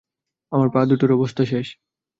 আমার পা দুটোর অবস্থা শেষ।